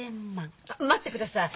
待ってください。